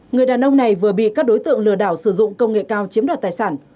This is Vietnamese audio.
người đàn ông này vừa bị các đối tượng lừa đảo sử dụng công nghệ cao chiếm đoạt tài sản